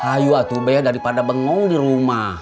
hayu atuh be daripada bengong di rumah